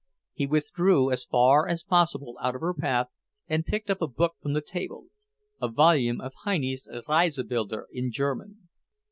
He withdrew as far as possible out of her path and picked up a book from the table, a volume of Heine's Reisebilder in German.